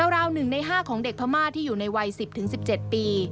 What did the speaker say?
ราว๑ใน๕ของเด็กพม่าที่อยู่ในวัย๑๐๑๗ปี